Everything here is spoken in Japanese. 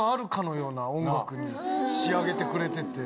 仕上げてくれてて。